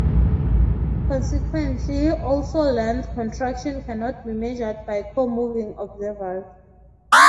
Consequently, also length contraction cannot be measured by co-moving observers.